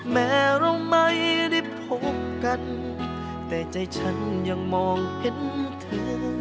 แม้เราไม่ได้พบกันแต่ใจฉันยังมองเห็นเธอ